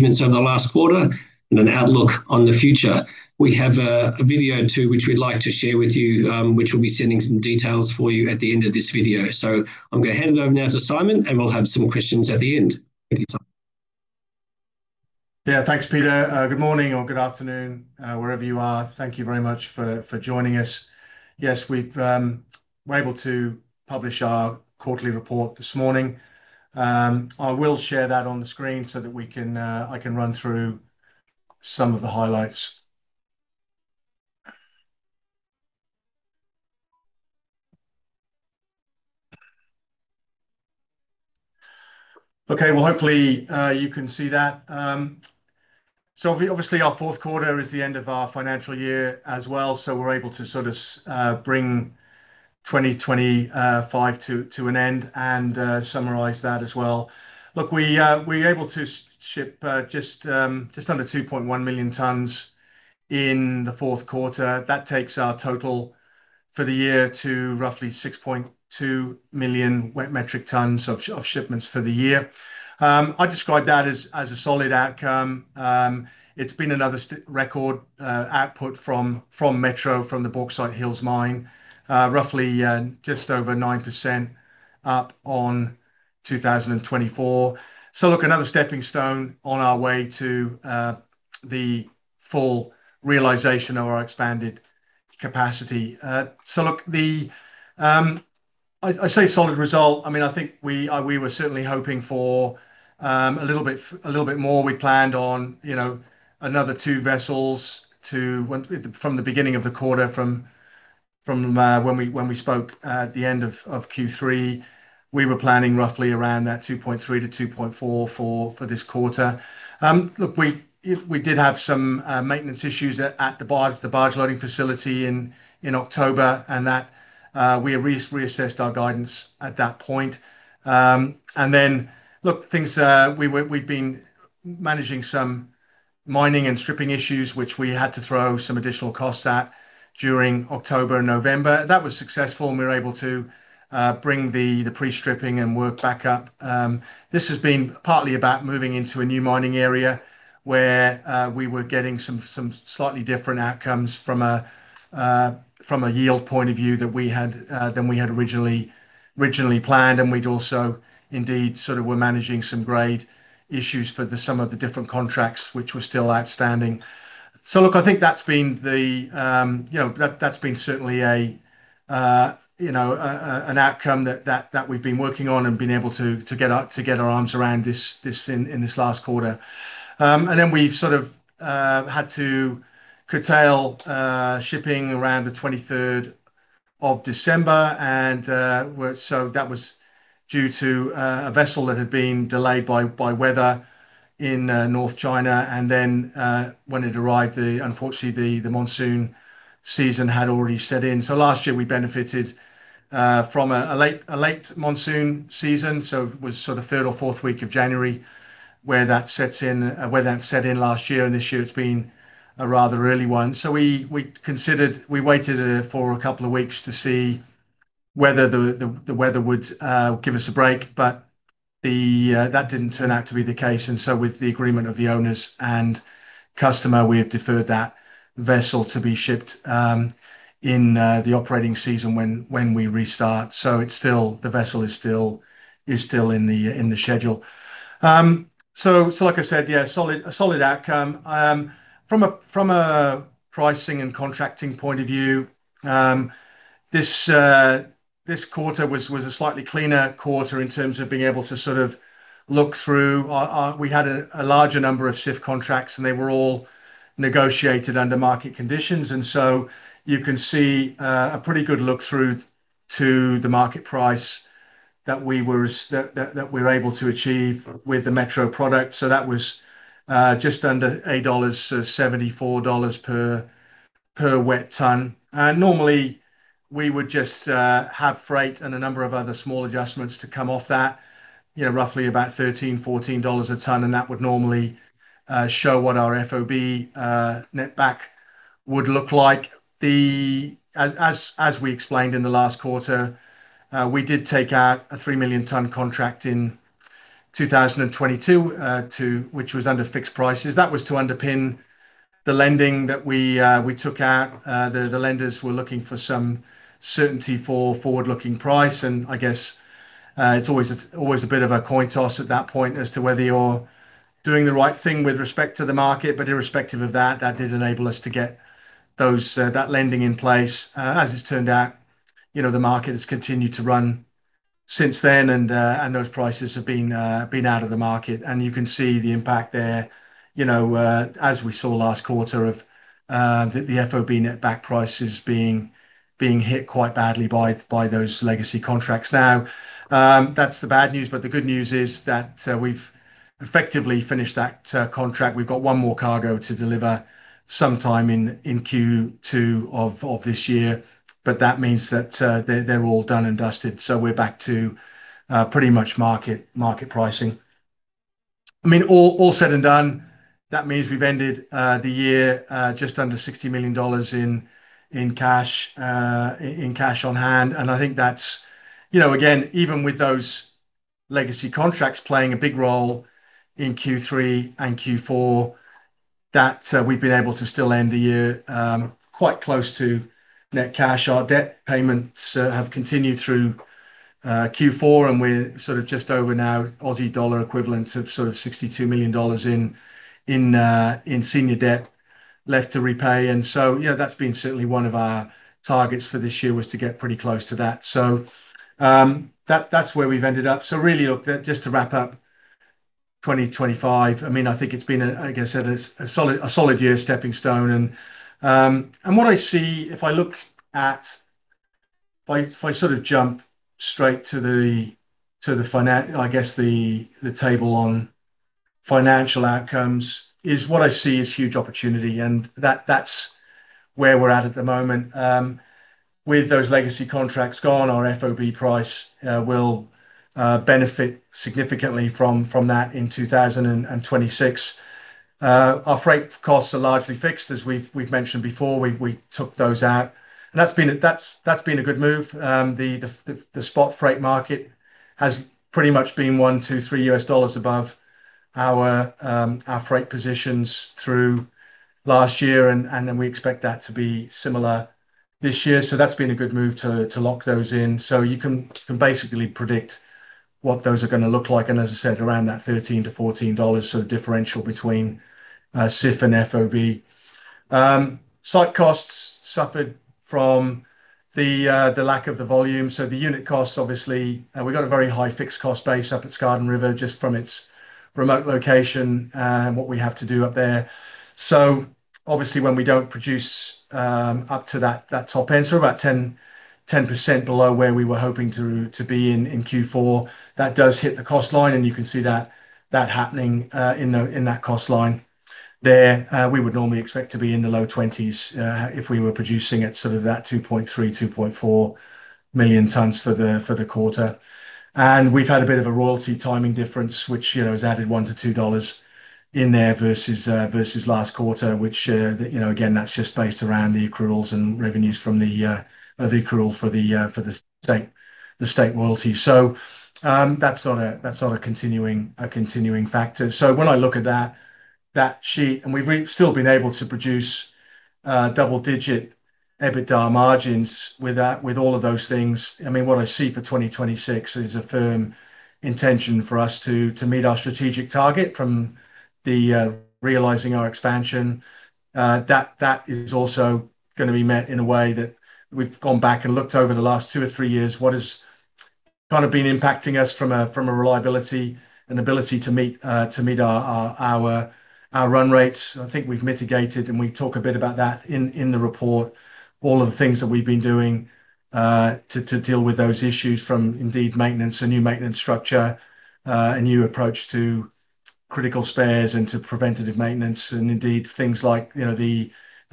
Over the last quarter and an outlook on the future. We have a video too which we'd like to share with you which we'll be sending some details for you at the end of this video. I'm going to hand it over now to Simon and we'll have some questions at the end. Thank you, Simon. Yeah, thanks Peter. Good morning or good afternoon wherever you are. Thank you very much for joining us. Yes, we were able to publish our quarterly report this morning. I will share that on the screen so that I can run through some of the highlights. Okay, well hopefully you can see that. So obviously our fourth quarter is the end of our financial year as well. So we're able to sort of bring 2025 to an end and summarize that as well. Look, we're able to ship just under 2.1 million tons in the fourth quarter. That takes our total for the year to roughly 6.2 million metric tons of shipments for the year. I describe that as a solid outcome. It's been another record output from Metro from the Bauxite Hills Mine. Roughly just over 9% up on 2024. So look, another stepping stone on our way to the full realization of our expanded capacity. So look, they say solid result. I mean, I think we were certainly hoping for a little bit more. We planned on, you know, another 2 vessels from the beginning of the quarter. From when we spoke at the end of Q3, we were planning roughly around that 2.3-2.4 for this quarter. Look, we did have some maintenance issues at the barge loading facility in October, and that we reassessed our guidance at that point. And then look, things we were. We've been managing some mining and stripping issues which we had to throw some additional costs at during October and November. That was successful and we were able to bring the pre-stripping and work back up. This has been partly about moving into a new mining area where we were getting some slightly different outcomes from a yield point of view that we had than we had originally planned. And we'd also indeed sort of were managing some grade issues for some of the different contracts which were still outstanding. So look, I think that's been the you know, that's been certainly a you know an outcome that we've been working on and been able to get our arms around this in this last quarter. And then we've sort of had to curtail shipping around the 23rd of December. And so that was due to a vessel that had been delayed by weather in North China. And then when it arrived, unfortunately the monsoon season had already set in. So last year we benefited from a late monsoon season. So it was sort of third or fourth week of January where that sets in where that set in last year and this year it's been a rather early one. So we considered, we waited for a couple of weeks to see whether the weather would give us a break but that didn't turn out to be the case. And so with the agreement of the owners and customer we have deferred that vessel to be shipped in the operating season when we restart. So it's still, the vessel is still in the schedule. So like I said, yeah, a solid outcome from a pricing and contracting point of view. This quarter was a slightly cleaner quarter in terms of being able to sort of look through. We had a larger number of CIF contracts and they were all negotiated under market conditions. So you can see a pretty good look through to the market price that we were, that we're able to achieve with the Metro product. So that was just under $8.74 per per wet ton. And normally we would just have freight and a number of other small adjustments to come off that. You know, roughly about $13-$14 a ton and that would normally show what our FOB netback would look like. Then, as we explained in the last quarter we did take out a 3 million ton contract in 2022 which was under fixed prices. That was to underpin the lending that we took out. The lenders were looking for some certainty for forward looking price and I guess it's always a bit of a coin toss at that point as to whether you're doing the right thing with respect to the market. But irrespective of that, that did enable us to get that lending in place. As it's turned out. You know, the market has continued to run since then and those prices have been out of the market and you can see the impact there. You know, as we saw last quarter, the FOB netback prices being hit quite badly by those legacy contracts. Now that's the bad news but the good news is that we've effectively finished that contract. We've got one more cargo to deliver sometime in Q2 of this year but that means that they're all done and dusted. So we're back to pretty much market pricing, I mean all said and done, that means we've ended the year just under 60 million dollars in cash on hand. And I think that's, you know, again, even with those legacy contracts playing a big role in Q3 and Q4 that we've been able to still end the year quite close to net cash. Our debt payments have continued through Q4 and we're sort of just over now Aussie dollar equivalent of sort of 62 million dollars in senior debt left to repay. And so yeah, that's been certainly one of our targets for this year was to get pretty close to that. So that's where we've ended up. So really look, just to wrap up 2025, I mean I think it's been I guess a solid year. Stepping stone and what I see if I look at, if I sort of jump straight to the finance, I guess the table on financial outcomes is what I see as huge opportunity and that's where we're at at the moment. With those legacy contracts gone, our FOB price will benefit significantly from that in 2026. Our freight costs are largely fixed. As we've mentioned before, we took those out and that's been a good move. The spot freight market has pretty much been $1, $2, $3 above our freight positions through last year and, and then we expect that to be similar this year. So that's been a good move to, to lock those in. So you can, can basically predict what those are going to look like. And as I said around that $13-$14. So the differential between CIF and FOB site costs suffered from the lack of the volume. So the unit costs obviously we've got a very high fixed cost base up at Skardon River just from its remote location and what we have to do up there. So obviously when we don't produce up to that top end, so about 10% below where we were hoping to be in Q4 that does hit the cost line and you can see that happening in that cost line there. We would normally expect to be in the low 20s if we were producing at sort of that 2.3-2.4 million tons for the quarter. And we've had a bit of a royalty timing difference which, you know, has added 1-2 dollars in there versus last quarter, which, you know, again, that's just based around the accruals and revenues from the accrual for the state royalty. So that's not, that's not a continuing factor. So when I look at that sheet and we've still been able to produce double-digit EBITDA margins with that, with all of those things. I mean, what I see for 2026 is a firm intention for us to meet our strategic target. From the realizing our expansion, that is also going to be met in a way that we've gone back and looked over the last two or three years. What has kind of been impacting us from a reliability, an ability to meet our run rates. I think we've mitigated, and we talk a bit about that in the report. All of the things that we've been doing to deal with those issues from indeed maintenance, a new maintenance structure, a new approach to critical spares and to preventative maintenance and indeed things like, you know, the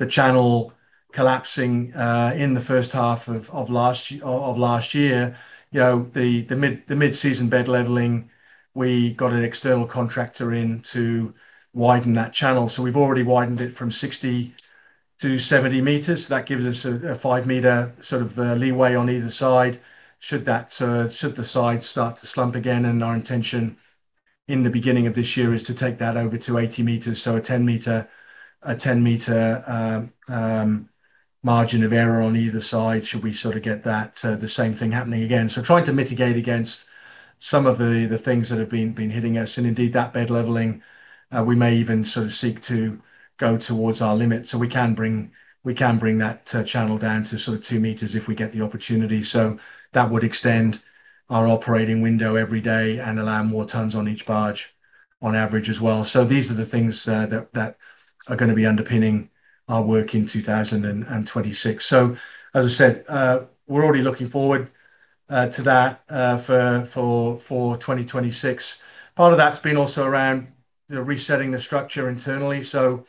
channel collapsing in the first half of last year, you know, the mid-season bed levelling. We got an external contractor in to widen that channel. So we've already widened it from 60 meters to 70 meters. That gives us a 5-meter sort of leeway on either side should the side start to slump again. Our intention in the beginning of this year is to take that over to 80 meters. So a 10-meter, a 10-meter margin of error on either side should we sort of get that the same thing happening again. So trying to mitigate against some of the, the things that have been hitting us and indeed that bed levelling, we may even sort of seek to go towards our limit so we can bring, we can bring that channel down to sort of 2 meters if we get the opportunity. So that would extend our operating window every day and allow more tons on each barge on average as well. So these are the things that are going to be underpinning our work in 2026. So as I said, we're already looking forward to that for 2026. Part of that's been also around resetting the structure internally. So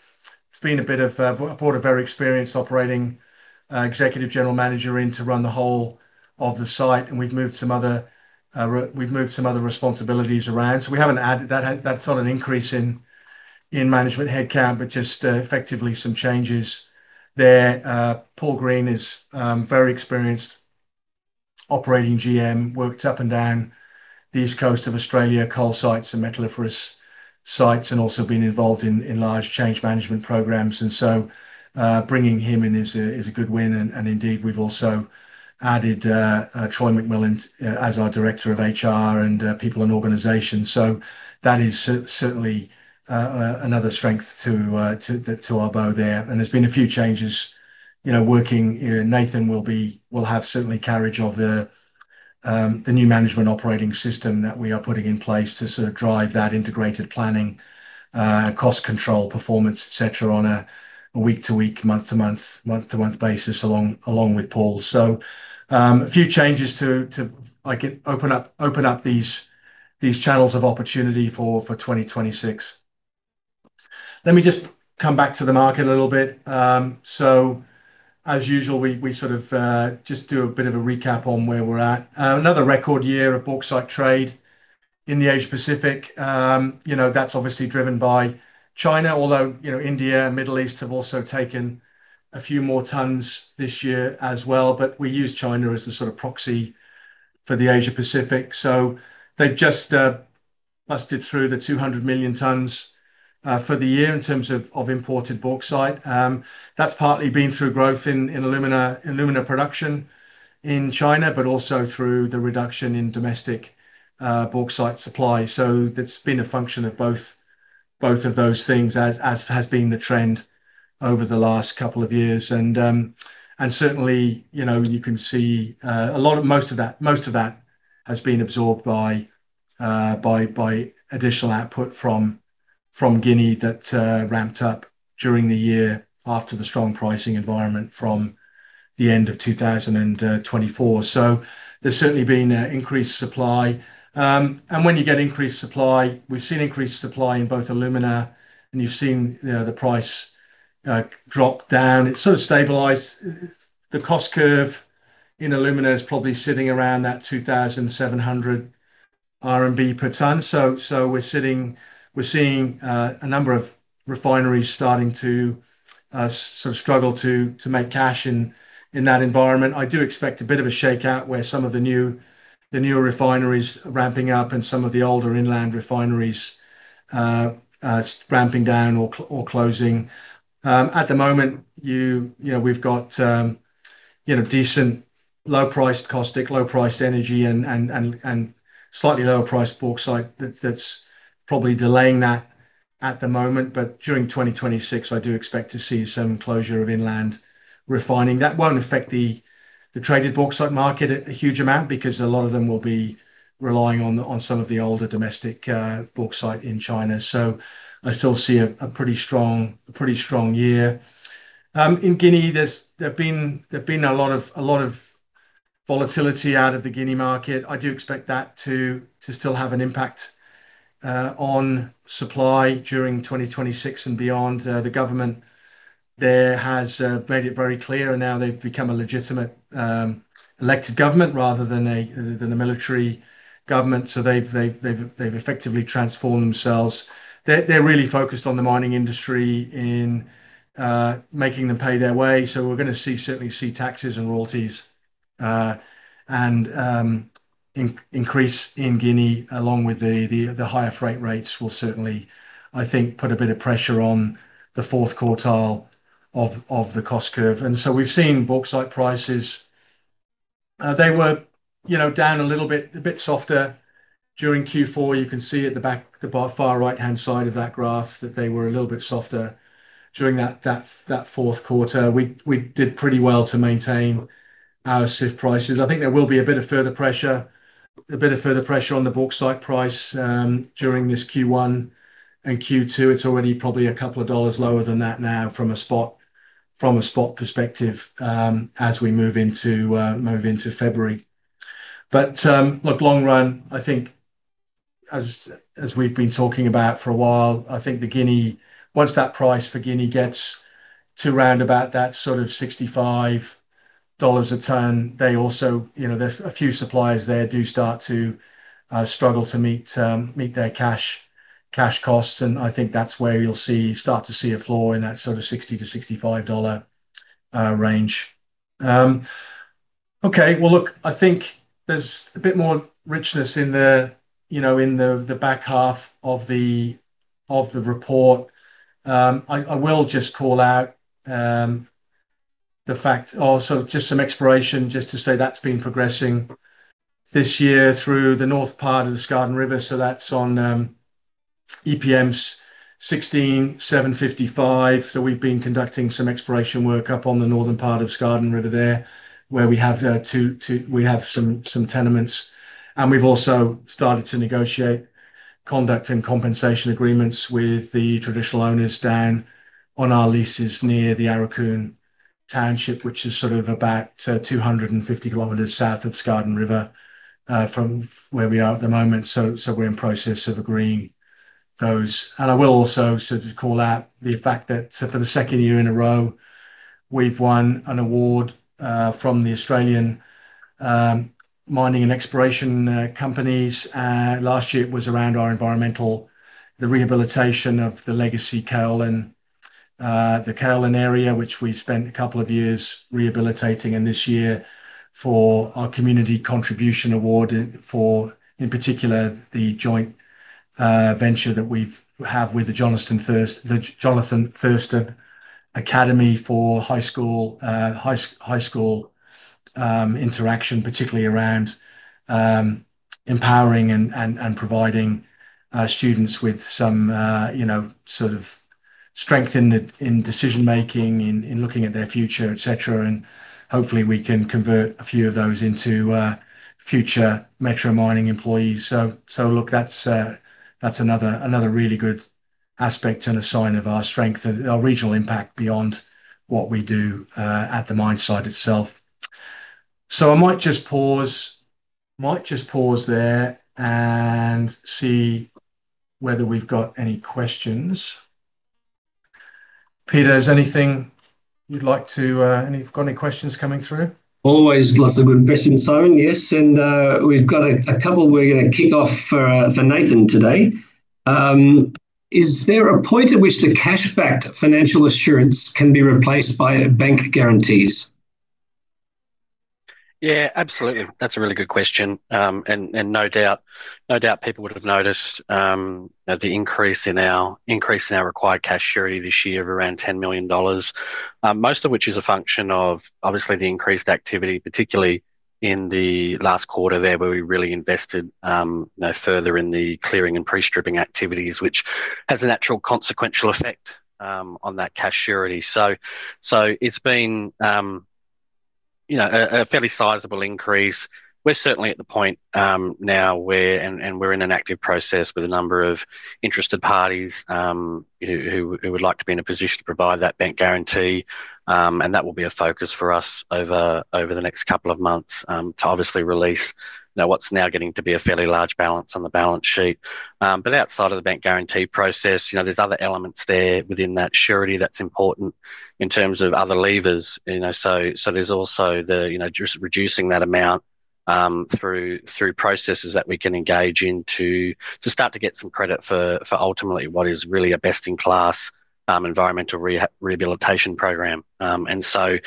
we've brought on board a very experienced operating Executive General Manager to run the whole of the site, and we've moved some other responsibilities around so we haven't added that. That's not an increase in management headcount but just effectively some changes there. Paul Green is a very experienced operating GM who worked up and down the east coast of Australia coal sites and metalliferous sites and also been involved in large change management programs, and so bringing him in is a good win. And indeed we've also added Troy McMillan as our Director of HR and People and Culture. So that is certainly another strength to our bow there. There's been a few changes, you know, Nathan will be working, have certainly carriage of the new management operating system that we are putting in place to sort of drive that integrated planning and cost control performance, etc., on a week-to-week, month-to-month, month-to-month basis along with Paul. A few changes to, to, I can open up, open up these channels of opportunity for 2026. Let me just come back to the market a little bit. As usual, we sort of just do a bit of a recap on where we're at. Another record year of bauxite trade in the Asia Pacific. You know, that's obviously driven by China, although, you know, India, Middle East have also taken a few more tons this year as well. But we use China as the sort of proxy for the Asia Pacific. So they've just busted through the 200 million tons or for the year. In terms of imported bauxite that's partly been through growth in alumina production in China but also through the reduction in domestic bauxite supply. So that's been a function of both of those things as has been the trend over the last couple of years. And certainly you can see most of that has been absorbed by additional output from Guinea that ramped up during the year after the strong pricing environment from the end of 2024. So there's certainly been increased supply and when you get increased supply we've seen increased supply in both alumina and you've seen the price drop down. It sort of stabilized. The cost curve in alumina is probably sitting around that 2,700 RMB per ton. So, we're seeing a number of refineries starting to sort of struggle to make cash in that environment. I do expect a bit of a shakeout where some of the newer refineries ramping up and some of the older inland refineries ramping down or closing. At the moment we've got decent low priced caustic, low priced energy and slightly lower priced bauxite that's probably delaying that at the moment. But during 2026 I do expect to see some closure of inland refining that won't affect the traded bauxite market a huge amount because a lot of them will be relying on some of the older domestic bauxite in China. So I still see a pretty strong, pretty strong year in Guinea. There's been a lot of, a lot of volatility out of the Guinea market. I do expect that to still have an impact on supply during 2026 and beyond. The government there has made it very clear and now they've become a legitimate elected government rather than a military government. So they've effectively transformed themselves. They're really focused on the mining industry in making them pay their way. So we're going to see certainly taxes and royalties and increase in Guinea along with the higher freight rates will certainly I think put a bit of pressure on the fourth quartile of the cost curve. And so we've seen bauxite prices. They were you know, down a little bit, a bit softer during Q4. You can see at the back, the far right hand side of that graph that they were a little bit softer during that fourth quarter. We did pretty well to maintain our CIF prices. I think there will be a bit of further pressure on the bauxite price during this Q1 and Q2. It's already probably a couple of dollars lower than that now from a spot perspective as we move into February. But look, long run I think as we've been talking about for a while. I think the Guinea, once that price for Guinea gets to round about that sort of $65 a ton, they also, you know, there's a few suppliers there do start to struggle to meet their cash costs and I think that's where you'll start to see a floor in that sort of $60-$65 range. Okay, well look, I think there's a bit more richness in the, you know, in the, the back half of the, of the report. I will just call out the fact also just some exploration just to say that's been progressing this year through the north part of the Skardon River. So that's on EPM 16755. So we've been conducting some exploration work up on the northern part of Skardon River there where we have two, we have some tenements and we've also started to negotiate conduct and compensation agreements with the Traditional Owners down on our leases near the Aurukun Township which is sort of about 250 km south of Skardon River from where we are at the moment. So we're in process of agreeing those and I will also sort of call out the fact that for the second year in a row we've won an award from the Australian Mining and Exploration Companies. Last year it was around our environmental, the rehabilitation of the legacy kaolin, the kaolin area which we spent a couple of years rehabilitating in this year for our community contribution award for, for in particular the joint venture that we have with the Johnathan Thurston Academy for high school interaction particularly around empowering and providing students with some, you know, sort of strength in decision making in looking at their future, et cetera. And hopefully we can convert a few of those into future Metro Mining employees. So look, that's another really good aspect and a sign of our strength and our regional impact beyond what we do at the mine site itself. I might just pause, might just pause there and see whether we've got any questions. Peter, is anything you'd like to? You've got any questions coming through? Always lots of good questions, Simon. Yes, and we've got a couple we're going to kick off for Nathan today. Is there a point at which the cash backed financial assurance can be replaced by bank guarantees? Yeah, absolutely. That's a really good question. No doubt people would have noticed the increase in our required cash surety this year of around 10 million dollars, most of which is a function of obviously the increased activity particularly in the last quarter there where we really invested no further in the clearing and pre-stripping activities which has a natural consequential effect on that cash surety. So it's been a fairly sizable increase. We're certainly at the point now where, and we're in an active process with a number of interested parties who would like to be in a position to provide that bank guarantee. And that will be a focus for us over the next couple of months to obviously release what's now getting to be a fairly large balance on the balance sheet. But outside of the bank guarantee process there's other elements there within that surety that's important in terms of other levers. So there's also reducing that amount through processes that we can engage in to start to get some credit for ultimately what is really a best in class environmental rehabilitation program. And so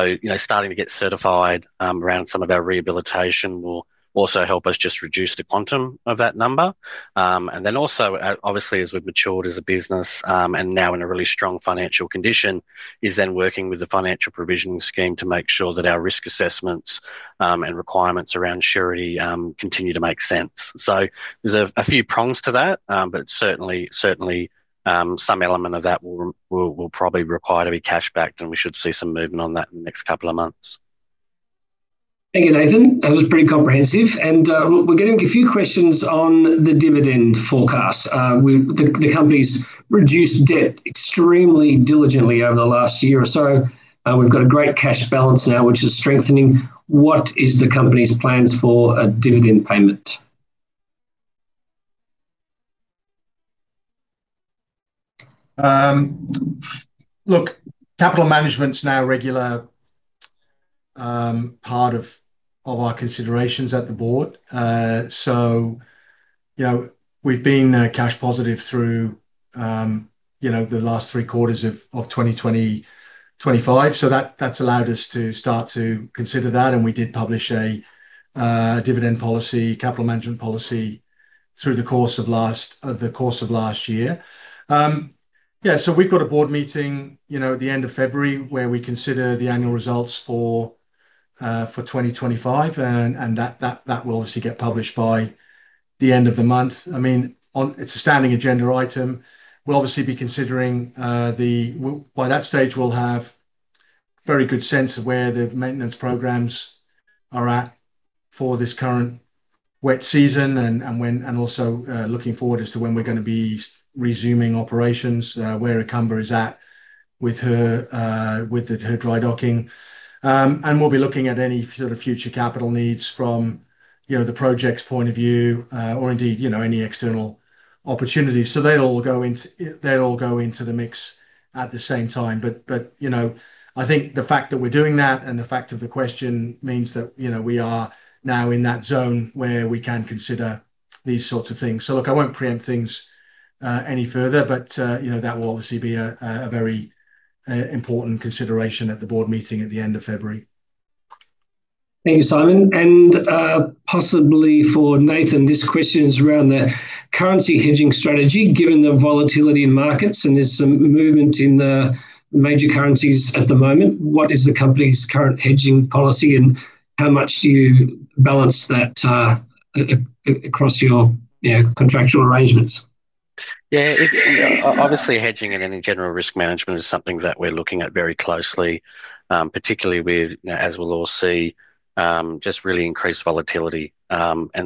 you know, starting to get certified around some of our rehabilitation will also help us just reduce the quantum of that number. And then also obviously as we've matured as a business and now in a really strong financial condition is then working with the Financial Provisioning Scheme to make sure that our risk assessments and requirements around surety continue to make sense. So there's a few prongs to that, but certainly, certainly some element of that will probably require to be cash backed and we should see some movement on that in the next couple of months. Thank you, Nathan. That was pretty comprehensive. We're getting a few questions on the dividend forecast. The company's reduced debt extremely diligently over the last year or so. We've got a great cash balance now which is strengthening. What is the company's plans for a dividend payment? Look, capital management's now regular part of, of our considerations at the board. So, you know, we've been cash positive through, you know, the last three quarters of 2025, so that, that's allowed us to start to consider that. And we did publish a dividend policy, capital management policy, through the course of last. The course of last year. Yeah. So we've got a board meeting, you know, at the end of February where we consider the annual results for 2025 and that will obviously get published by the end of the month. I mean, it's a standing agenda item. We'll obviously be considering the. By that stage we'll have very good sense of where the maintenance programs are at for this current wet season and, and when. And also looking forward as to when we're going to be resuming operations where Ikamba is at with her, with her dry docking. And we'll be looking at any sort of future capital needs from, you know, the project's point of view or indeed, you know, any external opportunities. So they'll all go into, they'll all go into the mix at the same time. But you know, I think the fact that we're doing that and the fact of the question means that, you know, we are now in that zone where we can consider these sorts of things. So look, I won't preempt things any further, but you know, that will obviously be a very important consideration at the board meeting at the end of February. Thank you, Simon. Possibly for Nathan, this question is around the currency hedging strategy, given the volatility in markets and there's some movement in the major currencies at the moment. What is the company's current hedging policy and how much do you balance that across your contractual arrangements? Yeah, obviously hedging it in general risk management is something that we're looking at very closely, particularly with, as we'll all see, just really increased volatility.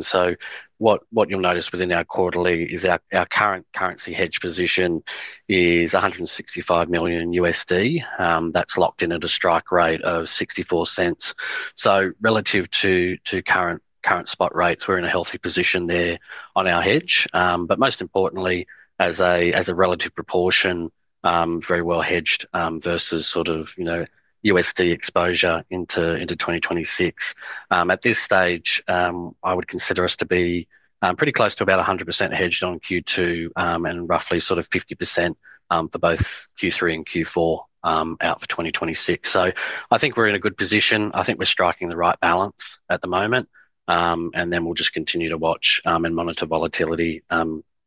So what you'll notice within our quarterly is our current currency hedge position is $165 million that's locked in at Australian strike rate of 0.64. So relative to current spot rates we're in a healthy position there on our hedge but most importantly as a relative proportion very well hedged versus sort of USD exposure into 2026 at this stage I would consider us to be pretty close to about 100% hedged on Q2 and roughly sort of 50% for both Q3 and Q4 out for 2026. So I think we're in a good position. I think we're striking the right balance at the moment and then we'll just continue to watch and monitor volatility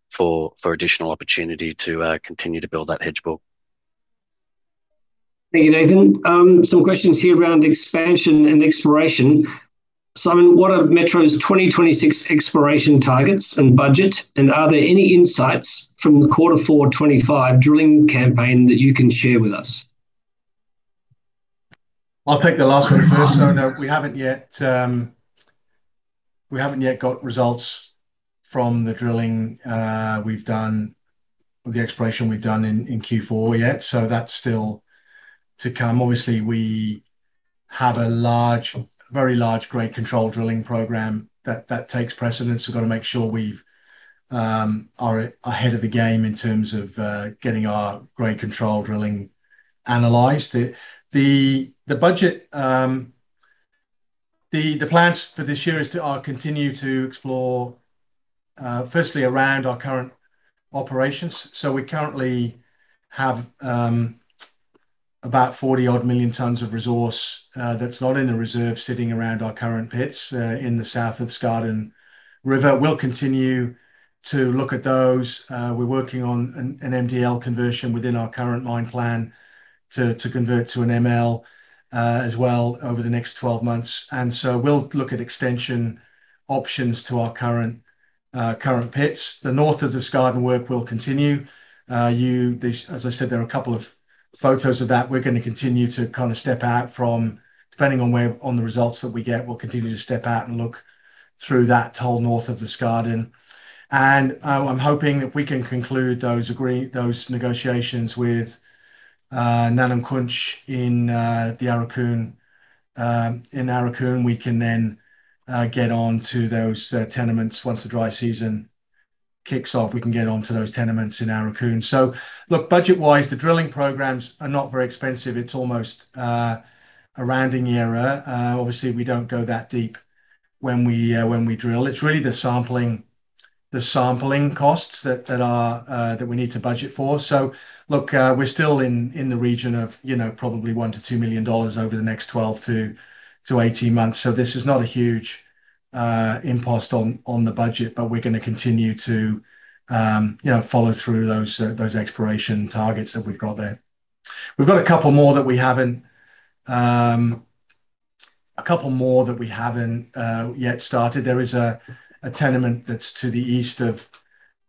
for additional opportunity to continue to build that hedge book. Thank you Nathan, some questions here around expansion and exploration, Simon. What are Metro's 2026 exploration targets and budget and are there any insights from the Q4 2025 drilling campaign that you can share with us? I'll take the last one first. So no, we haven't yet. We haven't yet got results from the drilling we've done, the exploration we've done in Q4 yet, so that's still to come. Obviously we have a large, very large grade control drilling program that takes precedence. We've got to make sure we are ahead of the game in terms of getting our grade control drilling analyzed. The budget, the plans for this year is to continue to explore firstly around our current operations. So we currently have about 40 million tons of resource that's not in the reserve sitting around our current pits in the south of Skardon River. We will continue to look at those. We're working on an MDL conversion within our current mine plan to convert to an ML as well over the next 12 months, and so we'll look at extension options to our current pits. The north of Skardon work will continue on this, as I said. There are a couple of photos of that. We're going to continue to kind of step out from depending on the results that we get. We'll continue to step out and look through that area north of the Skardon, and I'm hoping if we can conclude those negotiations with Ngan Aak-Kunch in Aurukun, we can then get on to those tenements once the dry season kicks off. We can get onto those tenements in Aurukun. So look, budget-wise, the drilling programs are not very expensive. It's almost a rounding error. Obviously, we don't go that deep when we drill. It's really the sampling, the sampling costs that we need to budget for. So look, we're still in the region of, you know, probably 1 million-2 million dollars over the next 12 months-18 months. So this is not a huge impost on the budget, but we're going to continue to, you know, follow through those exploration targets that we've got there. We've got a couple more that we haven't yet started. There is a tenement that's to the east of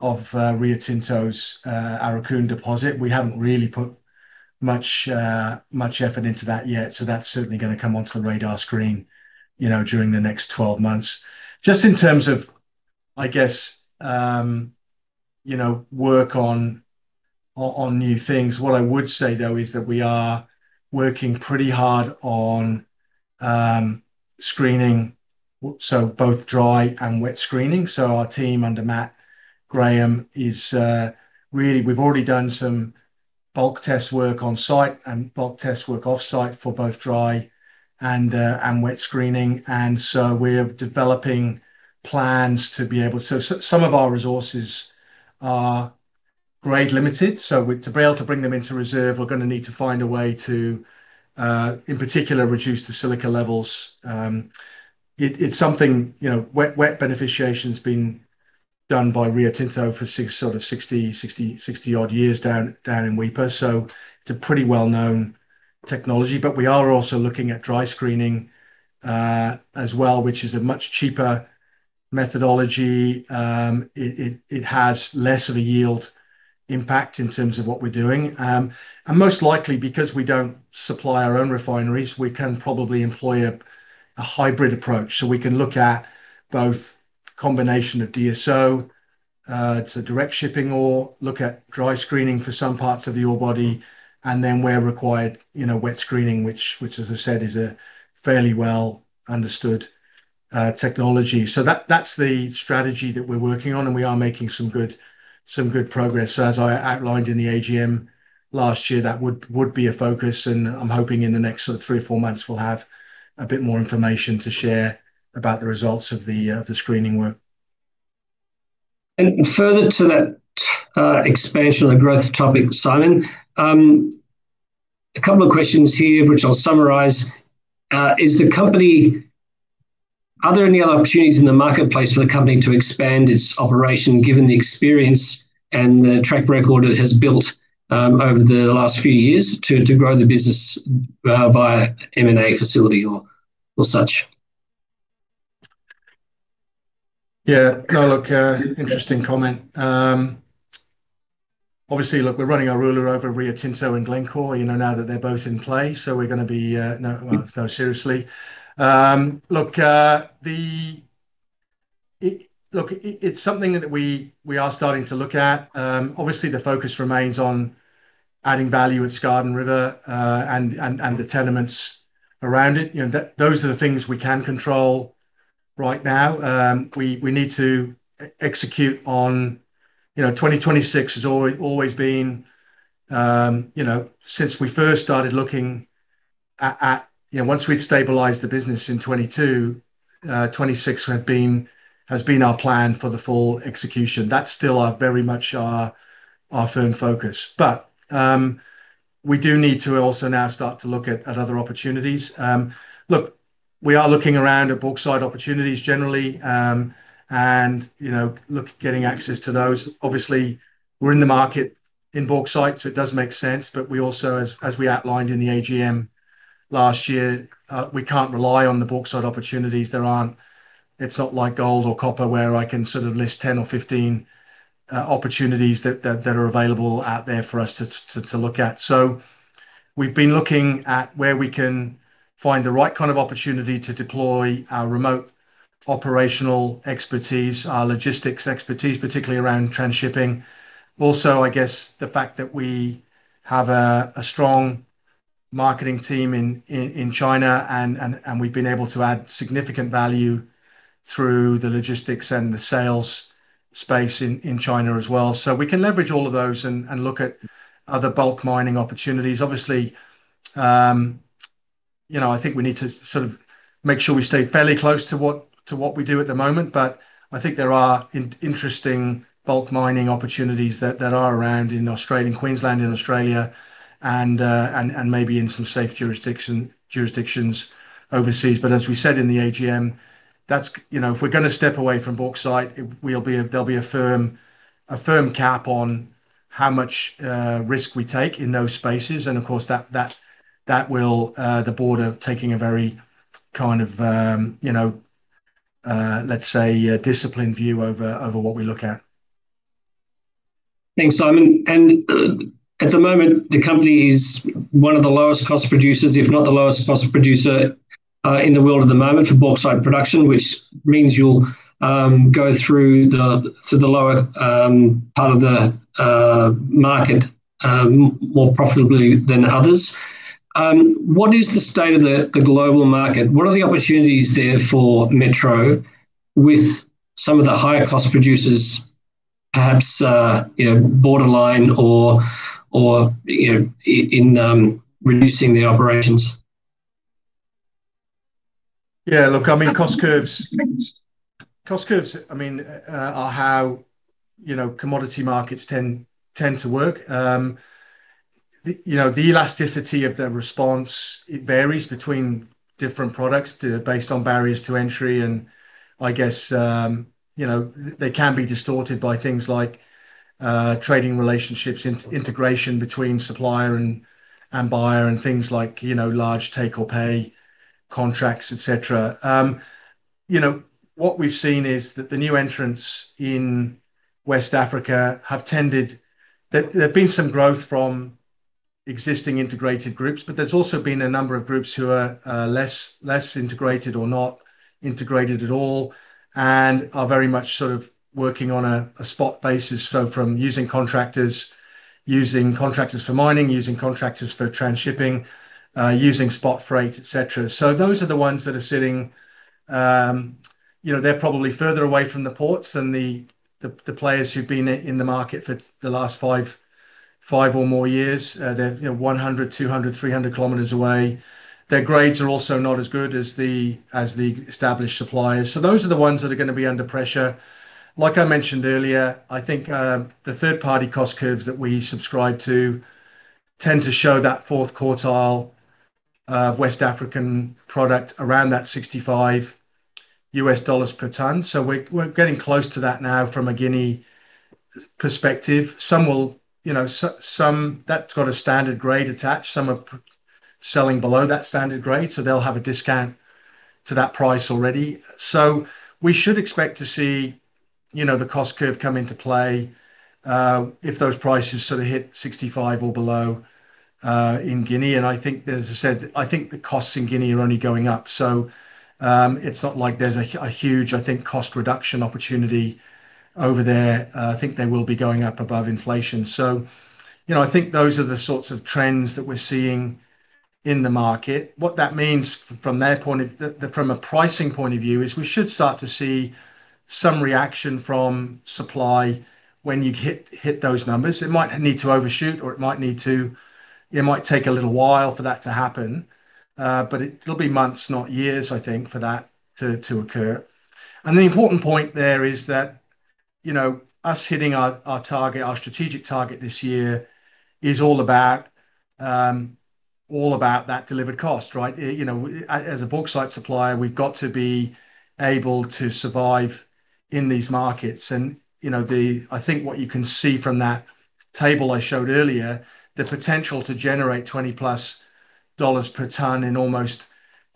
Rio Tinto's Aurukun deposit. We haven't really put much effort into that yet. So that's certainly going to come onto the radar screen, you know, during the next 12 months just in terms of I guess, you know, work on, on new things. What I would say though is that we are working pretty hard on screening so both dry and wet screening. So our team under Matt Graham is really, we've already done some bulk test work on site and bulk test work off site for both dry and, and wet screening. And so we are developing plans to be able, so some of our resources are grade limited so to be able to bring them into reserve we're going to need to find a way to in particular reduce the silica levels. It's something you know, wet beneficiation has been done by Rio Tinto for 60-odd years down in Weipa. So it's a pretty well-known technology. But we are also looking at dry screening as well, which is a much cheaper methodology. It has less of a yield impact in terms of what we're doing. And most likely because we don't supply our own refineries, we can probably employ a hybrid approach. So we can look at both combination of DSO to direct shipping or look at dry screening for some parts of the ore body and then we're required wet screening which as I said is a fairly well understood technology. So that's the strategy that we're working on and we are making some good progress as I outlined in the AGM last year, that would be a focus and I'm hoping in the next 3 months or 4 months we'll have a bit more information to share about the results of the screening work and further to. That expansion of the growth topic. Simon, a couple of questions here which I'll summarize is the company, are there any other opportunities in the marketplace for the company to expand its operation? Given the experience and the track record it has built over the last few years to grow the business via M&A facility or such. Yeah, no, look, interesting comment. Obviously look, we're running our ruler over Rio Tinto and Glencore, you know, now that they're both in play. So we're going to be. No, no, seriously, look, it's something that we are starting to look at. Obviously the focus remains on adding value at Skardon River and the tenements around it. You know that those are the things we can control right now. We need to execute on, you know, 2026 has always been, you know, since we first started looking at, you know, once we'd stabilized the business in 2022, has been our plan for the full execution. That's still very much our firm focus. But we do need to also now start to look at other opportunities. Look, we are looking around at bauxite opportunities generally and you know, look, getting access to those. Obviously we're in the market in bauxite so it does make sense. But we also as, as we outlined in the AGM last year, we can't rely on the bauxite opportunities. There aren't, it's not like gold or copper where I can sort of list 10 or 15 opportunities that, that are available out there for us to, to look at. So we've been looking at where we can find the right kind of opportunity to deploy our remote operational expertise, our logistics expertise, particularly around transshipping. Also, I guess the fact that we have a strong marketing team in China and we've been able to add significant value through the logistics and the sales space in China as well, so we can leverage all of those and look at other bulk mining opportunities. Obviously, you know, I think we need to sort of make sure we stay fairly close to what we do at the moment. But I think there are interesting bulk mining opportunities that are around in Australia and Queensland and maybe in some safe jurisdictions overseas. But as we said in the AGM, that's, you know, if we're going to step away from bauxite, there'll be a firm cap on how much risk we take in those spaces. Of course that will, the board are taking a very kind of, you know, let's say disciplined view over what we look at. Thanks Simon. At the moment the company is one of the lowest cost producers, if not the lowest cost producer in the world at the moment for bauxite production, which means you'll go through to the lower part of the market more profitably than others. What is the state of the global market? What are the opportunities there for Metro with some of the higher cost producers perhaps borderline or in reducing the operations? Yeah, look, I mean cost curves, cost curves. I mean are how, you know, commodity markets tend, tend to work. You know, the elasticity of the response, it varies between different products based on barriers to entry and I guess, you know, they can be distorted by things like trading relationships, integration between supplier and, and buyer and things like, you know, large take-or-pay contracts, etc. You know what we've seen is that the new entrants in West Africa have tended. There have been some growth from existing integrated groups, but there's also been a number of groups who are less integrated or not integrated at all and are very much sort of working on a spot basis. So, from using contractors, using contractors for mining, using contractors for transshipping, using spot freight, etc. So those are the ones that are sitting, you know, they're probably further away from the ports than the, the players who've been in the market for the last 5 or more years. They're you know, 100 km, 200 km, 300 km away. Their grades are also not as good as the, as the established suppliers. So those are the ones that are going to be under pressure. Like I mentioned earlier, I think the third party cost curves that we subscribe to tend to show that 4th quartile West African product around that $65 per ton. So we're getting close to that now from a Guinea perspective. Some will, you know, some that's got a standard grade attached, some are selling below that standard grade. So they'll have a discount to that price already. So we should expect to see you know, the cost curve come into play if those prices sort of hit 65 or below in Guinea. And I think, as I said, I think the costs in Guinea are only going up. So it's not like there's a huge, I think cost reduction opportunity over there. I think they will be going up above inflation. So you know, I think those are the sorts of trends that we're seeing in the market. What that means from their point of the, from a pricing point of view is we should start to see some reaction from supply. When you hit, hit those numbers, it might need to overshoot or it might need to, it might take a little while for that to happen, but it'll be months, not years I think for that to, to occur. The important point there is that you know, us hitting our target, our strategic target this year is all about, all about that delivered cost. Right. You know, as a bauxite supplier, we've got to be able to survive in these markets. And you know, the, I think what you can see from that table I showed earlier, the potential to generate $20+ per ton in almost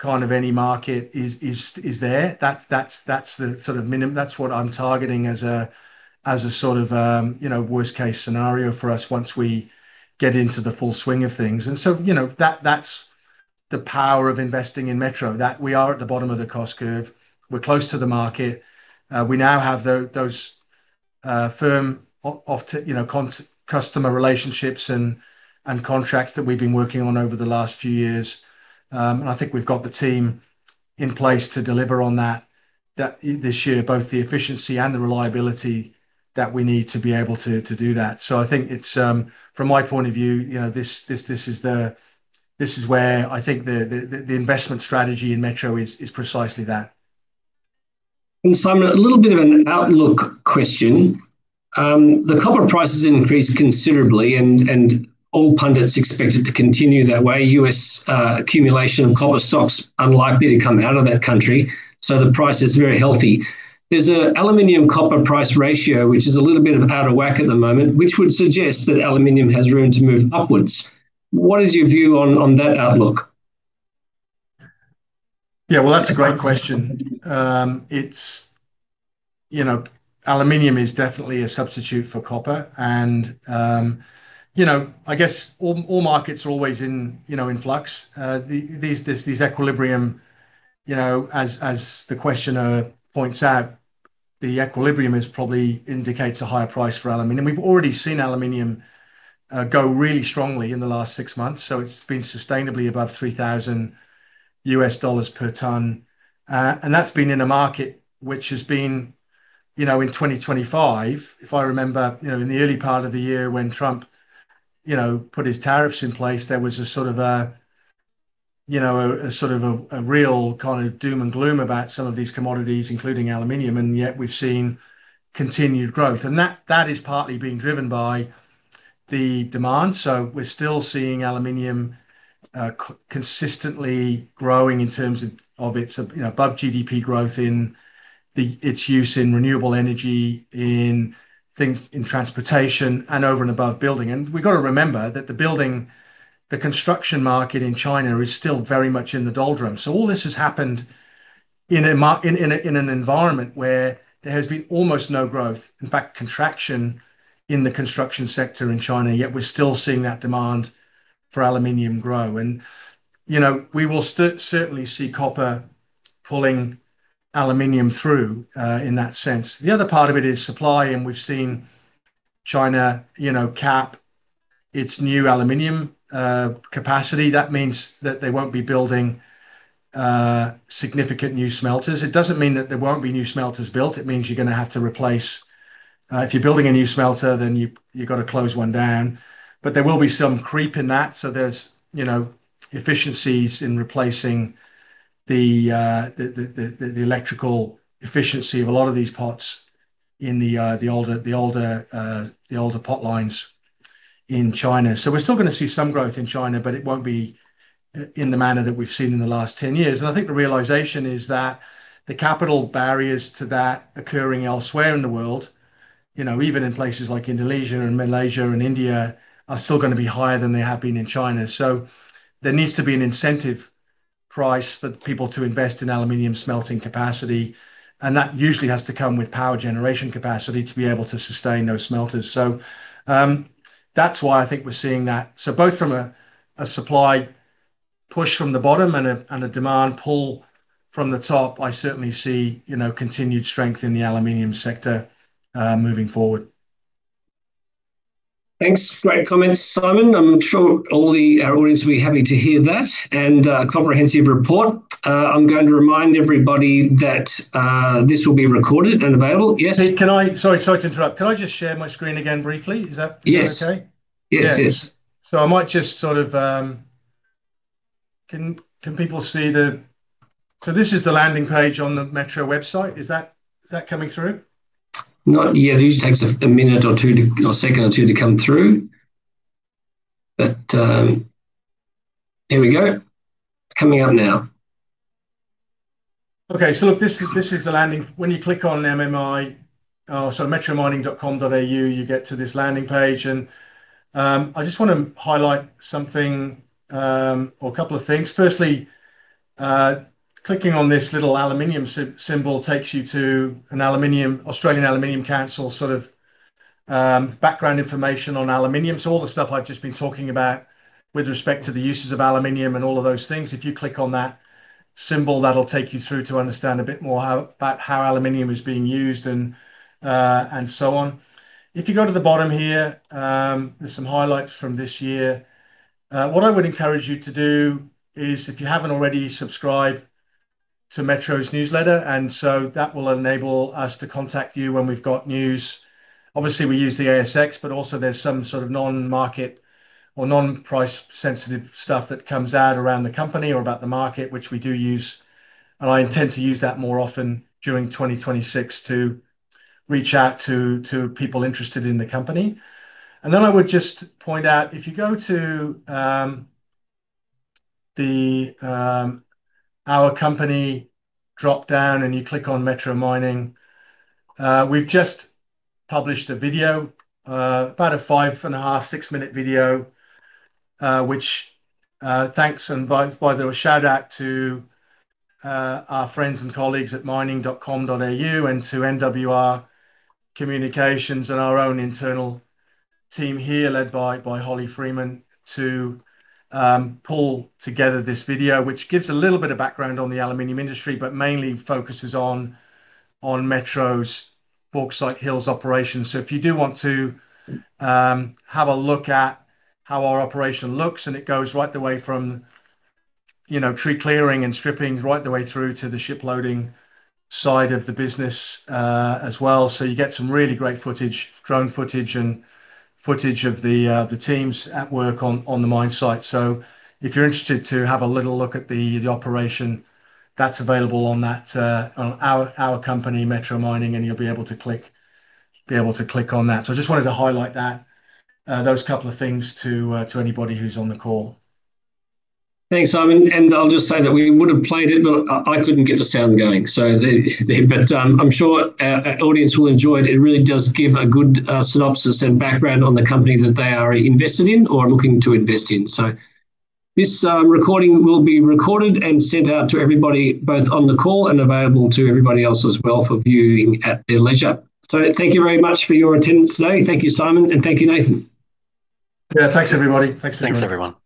kind of any market is there. That's the sort of minimum, that's what I'm targeting as a sort of, you know, worst case scenario for us once we get into the full swing of things. And so, you know, that's the power of investing in Metro, that we are at the bottom of the cost curve. We're close to the market. We now have those firm off-take customer relationships and contracts that we've been working on over the last few years. I think we've got the team in place to deliver on that this year, both the efficiency and the reliability that we need to be able to do that. I think from my point of view, this is where I think the investment strategy in Metro is precisely that. Simon, a little bit of an outlook question. The copper prices increase considerably and all pundits expect it to continue that way. U.S. accumulation of copper stocks unlikely to come out of that country. So the price is very healthy. There's an aluminium copper price ratio which is a little bit out of whack at the moment, which would suggest that aluminium has room to move upwards. What is your view on that outlook? Yeah, well, that's a great question. It's, you know, aluminium is definitely a substitute for copper. And, you know, I guess all markets are always in, you know, in flux. These, this, these equilibrium, you know, as the questioner points out, the equilibrium is probably indicates a higher price for aluminium. We've already seen aluminium go really strongly in the last six months, so it's been sustainably above $3,000 per ton. And that's been in a market which has been, you know, in 2025, if I remember, you know, in the early part of the year when Trump, you know, put his tariffs in place, there was a sort of a, you know, a sort of a real kind of doom and gloom about some of these commodities, including aluminium. And yet we've seen continued growth and that, that is partly being driven by the demand. So we're still seeing aluminium consistently growing in terms of, of its, you know, above GDP growth in the, its use in renewable energy, in things, in transportation and over and above building. And we've got to remember that the building, the construction market in China is still very much in the doldrums. So all this has happened in a, in an environment where there has been almost no growth, in fact contraction in the construction sector in China, yet we're still seeing that demand for aluminium grow. And you know, we will certainly see copper pulling aluminium through in that sense. The other part of it is supply. And we've seen China, you know, cap its new aluminium capacity. That means that they won't be building significant new smelters. It doesn't mean that there won't be new smelters built. It means you're going to have to replace. If you're building a new smelter then you've got to close one down. But there will be some creep in that. So, there's you know efficiencies in replacing the electrical efficiency of a lot of these pots in the older potlines in China. So, we're still going to see some growth in China, but it won't be in the manner that we've seen in the last 10 years. And I think the realization is that the capital barriers to that occurring elsewhere in the world, even in places like Indonesia and Malaysia and India are still going to be higher than they have been in China. So, there needs to be an incentive price for people to invest in aluminium smelting capacity and that usually has to come with power generation capacity to be able to sustain those smelters. So that's why I think we're seeing that. So, both from a supply push from the bottom and a demand pull from the top, I certainly see continued strength in the aluminium sector moving forward. Thanks. Great comments, Simon. I'm sure all the audience will be happy to hear that and comprehensive report. I'm going to remind everybody that this will be recorded and available. Yes, can I. Sorry, sorry to interrupt. Can I just share my screen again briefly? Is that? Yes, okay. Yes. Can people see the? So, this is the landing page on the Metro website. Is that coming through? Not yet. It usually takes a minute or two or second or two to come through. But here we go, coming up now. Okay, so look, this, this is the landing. When you click on MMI. So metromining.com.au you get to this landing page, and I just want to highlight something or a couple of things. Firstly, clicking on this little aluminium symbol takes you to an aluminium, Australian Aluminium Council sort of background information on aluminium. So, all the stuff I've just been talking about with respect to the uses of aluminium and all of those things. If you click on that symbol that'll take you through to understand a bit more. How about how aluminium is being used and so on. If you go to the bottom here, there's some highlights from this year. What I would encourage you to do is if you haven't already subscribed to Metro's newsletter. And so that will enable us to contact you when we've got news. Obviously, we use the ASX but also there's some sort of non-market or non-price sensitive stuff that comes out around the company or about the market which we do use, and I intend to use that more often during 2026 to reach out to people interested in the company. Then I would just point out if you go to our company drop down and you click on Metro Mining. We've just published a video about a 5.5 minute-6 minute video which thanks and by the shout out to our friends and colleagues at Mining.com.au and to NWR Communications and our own internal team here led by Holly Freeman to pull together this video which gives a little bit of background on the aluminium industry but mainly focuses on Metro's Bauxite Hills operations. So, if you do want to have a look at how our operation looks and it goes right the way from you know, tree clearing and stripping right the way through to the ship loading side of the business as well. So, you get some really great footage, drone footage and footage of the teams at work on the mine site. So, if you're interested to have a little look at the operation that's available on that on our company Metro Mining and you'll be able to click on that. So, I just wanted to highlight that those couple of things to anybody who's on the call. Thanks, Simon. And I'll just say that we would have played it, but I couldn't get the sound going so but I'm sure our audience will enjoy it. It really does give a good synopsis and background on the company that they are invested in or looking to invest in. So, this recording will be recorded and sent out to everybody both on the call and available to everybody else as well for viewing at their leisure. So, thank you very much for your attendance today. Thank you, Simon, and thank you, Nathan. Yeah, thanks everybody. Thanks. Thanks everyone.